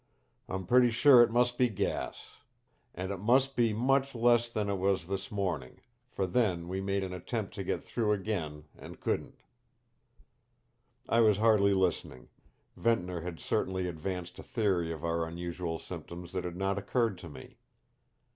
I'm pretty sure it must be gas. And it must be much less than it was this morning, for then we made an attempt to get through again and couldn't." I was hardly listening. Ventnor had certainly advanced a theory of our unusual symptoms that had not occurred to me.